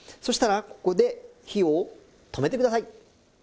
そしたらここで火を止めてください。